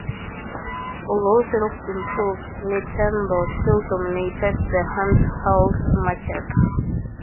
Although sales improved, Nintendo still dominated the handheld market.